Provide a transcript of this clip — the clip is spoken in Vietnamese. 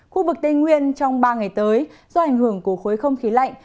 khu vực tây nguyên trong ba ngày tới do ảnh hưởng của khối không khí lạnh